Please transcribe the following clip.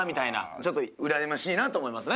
ちょっとうらやましいなと思いますね。